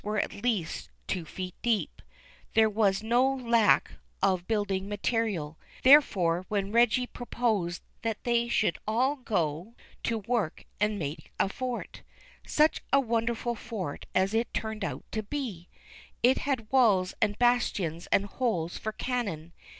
329 of building material, therefore, when Reggie proposed that they should all go to work and make a fort. Such a wonderful fort as it turned out to be ! It had walls and bastions and holes for cannon.